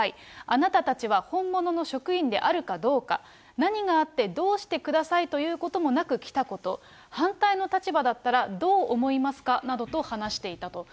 あなたたちは本物の職員であるかどうか、何があって、どうしてくださいということもなく来たこと、反対の立場だったらどう思いますかなどと話していたと。